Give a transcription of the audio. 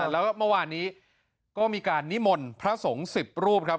แล้วเมื่อวานนี้ก็มีการนิมนต์พระสงฆ์๑๐รูปครับ